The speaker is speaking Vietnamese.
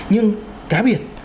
nhưng cá biệt